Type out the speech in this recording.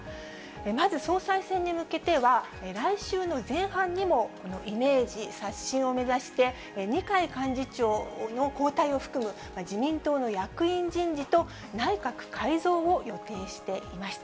まず総裁選に向けては、来週の前半にもこのイメージ刷新を目指して、二階幹事長の交代を含む自民党の役員人事と内閣改造を予定していました。